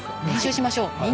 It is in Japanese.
練習しましょう。